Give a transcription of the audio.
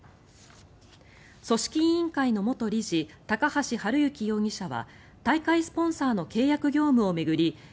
組織委員会の元理事高橋治之容疑者は大会スポンサーの契約業務を巡り